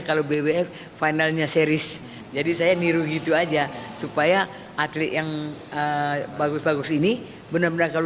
kalau bwf finalnya series jadi saya niru gitu aja supaya atlet yang bagus bagus ini benar benar kalau